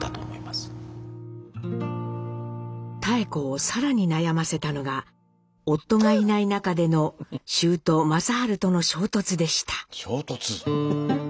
妙子を更に悩ませたのが夫がいない中での舅・正治との衝突でした。